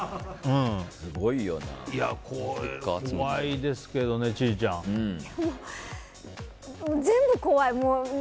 怖いですけどね、千里ちゃん。全部怖い。